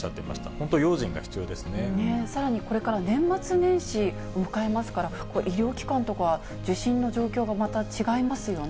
本当、さらにこれから年末年始迎えますから、医療機関とか、受診の状況がまた違いますよね。